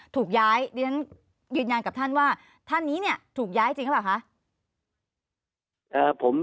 ถูกย้ายดิฉันยืนยันกับท่านว่าท่านนี้เนี่ยถูกย้ายจริงหรือเปล่าคะ